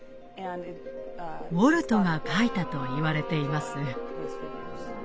ウォルトが描いたといわれています。